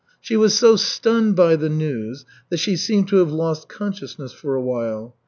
She was so stunned by the news that she seemed to have lost consciousness for a while.